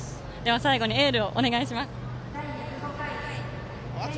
最後にエールをお願いします。